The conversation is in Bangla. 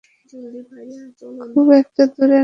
খুব একটা দূরে নয়।